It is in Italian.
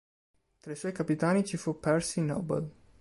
Tra i suoi capitani ci fu Percy Noble.